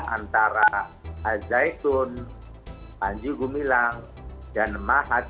antara azaidun panji gumilang dan mahat